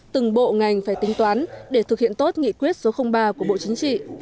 từng bộ ngành phải tính toán để thực hiện tốt nghị quyết số ba của bộ chính trị